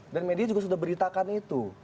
dan media juga sudah beritakan itu